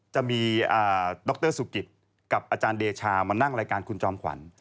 จะมีดรสุกิตกับอาจารย์เดชามานั่งรายการคุณจอมขวัญ